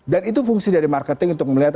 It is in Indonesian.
dan itu fungsi dari marketing untuk melihat